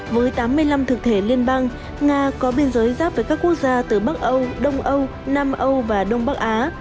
với tám mươi năm thực thể liên bang nga có biên giới giáp với các quốc gia từ bắc âu đông âu nam âu và đông bắc á